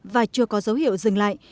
và chưa có dấu hiệu dừng lại